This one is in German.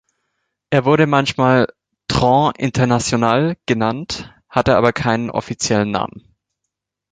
Er wurde manchmal "Tren Internacional" genannt, hatte aber keinen offiziellen Namen.